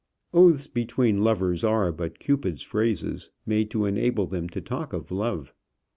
Oaths between lovers are but Cupid's phrases, made to enable them to talk of love.